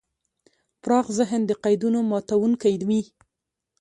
پراخ ذهن د قیدونو ماتونکی وي.